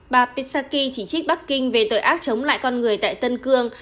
bà pisaki chỉ trích bắc kinh về tội ác chống lại con người tại tân cương